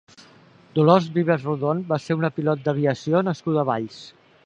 Dolors Vives Rodon va ser una pilot d'aviació nascuda a Valls.